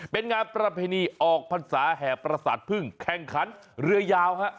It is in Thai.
เป็นงานประเพณีออกพรรษาแห่ประสาทพึ่งแข่งขันเรือยาวฮะ